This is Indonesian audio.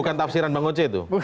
bukan tafsiran bang oce itu